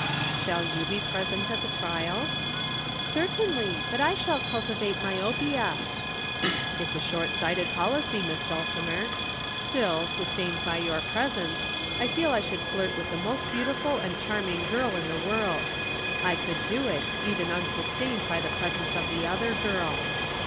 "Shall you be present at the trials?" "Certainly, but I shall cultivate myopia." "It's a short sighted policy, Miss Dulcimer. Still, sustained by your presence, I feel I could flirt with the most beautiful and charming girl in the world. I could do it, even unsustained by the presence of the other girl."